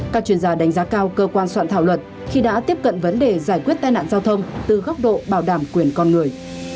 các chuyên gia đánh giá cao cơ quan soạn thảo luật khi đã tiếp cận vấn đề giải quyết tai nạn giao thông từ góc độ bảo đảm quyền con người